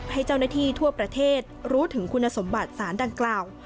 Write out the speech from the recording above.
ให้เจ้าหน้าที่ทั่วประเทศรู้ถึงคุณสมบัติสารดังกล่าว